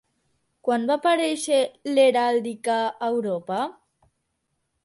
Quan va aparèixer l'heràldica a Europa?